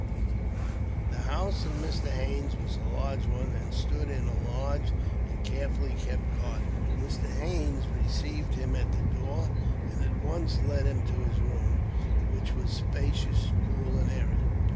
The house of Mr. Haines was a large one, and stood in a large and carefully kept garden. Mr. Haines received him at the door, and at once led him to his room, which was spacious, cool, and airy.